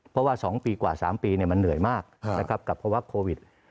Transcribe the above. เพราะว่า๒ปีกว่า๓ปีมันเหนื่อยมากนะครับกับภาวะโควิด